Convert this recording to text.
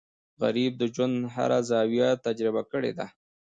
غریب د ژوند هر زاویه تجربه کړې ده